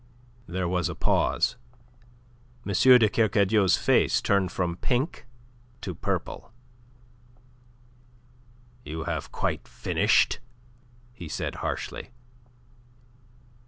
There was a pause. M. de Kercadiou's face turned from pink to purple. "You have quite finished?" he said harshly.